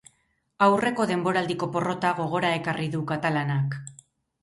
Aurreko denboraldiko porrota gogora ekarri du katalanak.